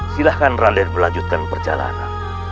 silahkan rade melanjutkan perjalanan